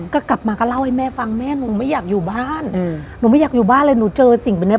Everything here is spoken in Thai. ก็กลับมาก็เล่าให้แม่ฟังแม่หนูไม่อยากอยู่บ้านอืมหนูไม่อยากอยู่บ้านเลยหนูเจอสิ่งแบบนี้